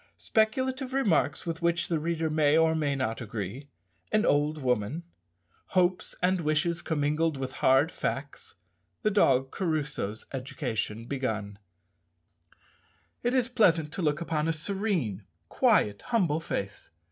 _Speculative remarks with which the reader may or may not agree An old woman Hopes and wishes commingled with hard facts The dog Crusoe's education begun_. It is pleasant to look upon a serene, quiet, humble face.